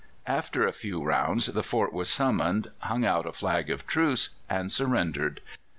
After a few rounds the fort was summoned, hung out a flag of truce, and surrendered.